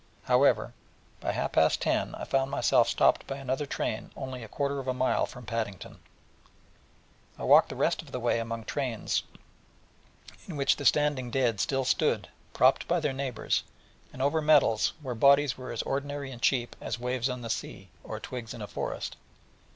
However, by half past ten I found myself stopped by another train only a quarter of a mile from Paddington, and walked the rest of the way among trains in which the standing dead still stood, propped by their neighbours, and over metals where bodies were as ordinary and cheap as waves on the sea, or twigs in a forest.